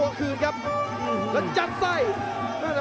โอ้โหไม่พลาดกับธนาคมโด้แดงเขาสร้างแบบนี้